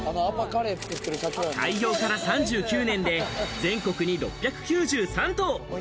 開業から３９年で全国に６９３棟。